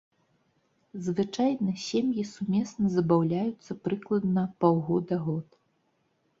Звычайна сем'і сумесна забаўляюцца прыкладна паўгода-год.